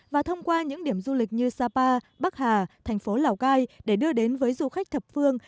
và thông qua những điểm du lịch như sapa bắc hà thành phố lào cai để đưa đến với du khách thập phương